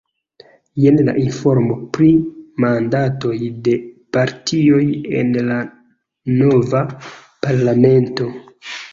Jen la informo pri mandatoj de partioj en la nova parlamento.